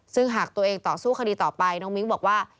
ซึ่งหากตัวเองต่อสู้คดีต่อไปน้องมิ้งบอกว่า